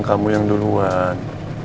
kamu yang duluan